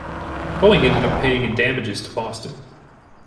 Boeing ended up paying in damages to Boston.